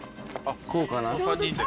こうかな？